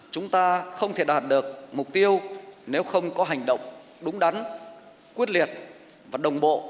chúng ta không thể đạt được mục tiêu nếu không có hành động đúng đắn quyết liệt và đồng bộ